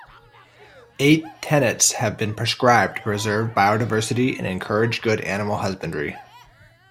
Eight tenets have been prescribed to preserve bio-diversity and encourage good animal husbandry.